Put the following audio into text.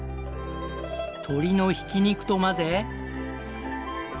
鶏のひき肉と混ぜ。